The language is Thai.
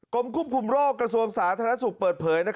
กรมคุมคุมโรคกระทรวงศาสตร์ธนสุขเปิดเผย